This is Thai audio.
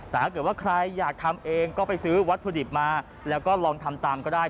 แต่ถ้าเกิดว่าใครอยากทำเองก็ไปซื้อวัตถุดิบมาแล้วก็ลองทำตามก็ได้